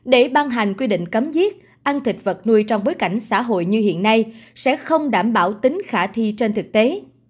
để ban hành quy định cấm giết ăn thịt vật nuôi trong bối cảnh xã hội như hiện nay sẽ không đảm bảo tính khả thi trên thực tế